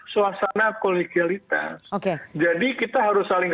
suasana kolegialitas jadi kita harus saling